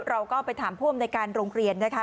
เราก็ไปถามพวกในการโรงเรียนนะคะ